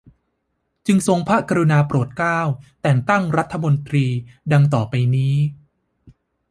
จึงทรงพระกรุณาโปรดเกล้า แต่งตั้งรัฐมนตรี ดังต่อไปนี้